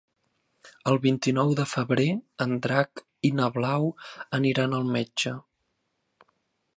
El vint-i-nou de febrer en Drac i na Blau aniran al metge.